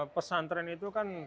pesantren itu kan